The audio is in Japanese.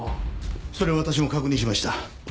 それは私も確認しました。